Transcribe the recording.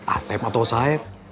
asep atau saep